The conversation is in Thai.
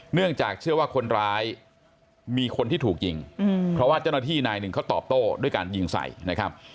เนื่องจากเชื่อว่าคนร้ายมีคนที่ถูกยิงเพราะว่าเจ้าหน้าที่นายหนึ่งเขาตอบโต้ด้วยการยิงใส่นะครับ